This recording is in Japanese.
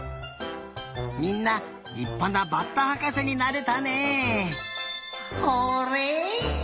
みんなりっぱなバッタはかせになれたね！